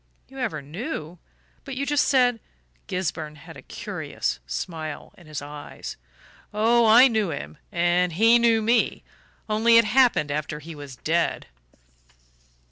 "You ever knew? But you just said " Gisburn had a curious smile in his eyes. "Oh, I knew him, and he knew me only it happened after he was dead."